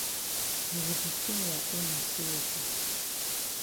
You be di tink ya own na say weti?